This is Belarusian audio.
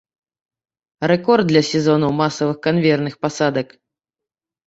Рэкорд для сезону масавых канвеерных пасадак.